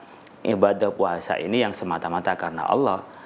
karena ibadah puasa ini yang semata mata karena allah